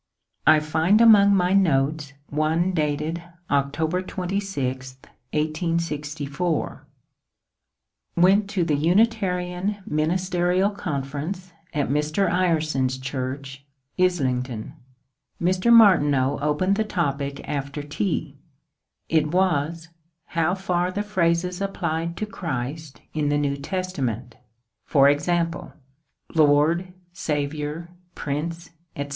I find among my notes one dated October 26, 1864 :— Went to the Unitarian Ministerial Conference at Mr. Ire son's church, Islington. Mr. Martineau opened the topic after tea: it was, how far the phrases applied to Christ in the New Testament — e.g.. Lord, Saviour, Prince, etc.